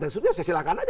dan sudah saya silahkan aja